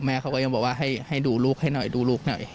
เขาก็ยังบอกว่าให้ดูลูกให้หน่อยดูลูกหน่อย